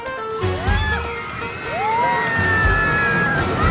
うわ！